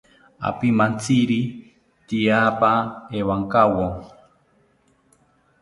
Apimantziri tyaapa ewankawo